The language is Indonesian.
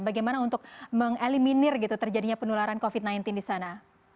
bagaimana untuk mengeliminir gitu terjadinya penularan covid sembilan belas di sana